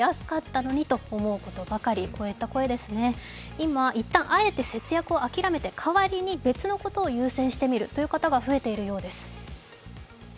今、一旦あえて節約を諦めて、代わりに別のことを優先してみるという方が増えているようです。